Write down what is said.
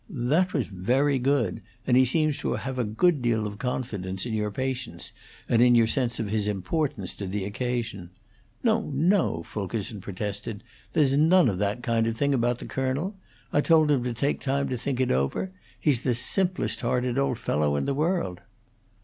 "That was very good; and he seems to have had a good deal of confidence in your patience and in your sense of his importance to the occasion " "No, no," Fulkerson protested, "there's none of that kind of thing about the colonel. I told him to take time to think it over; he's the simplest hearted old fellow in the world."